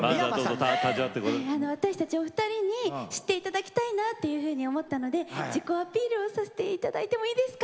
私たちお二人に知っていただきたいなというふうに思ったので自己アピールをさせていただいてもいいですか。